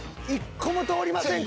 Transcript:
１個も通りません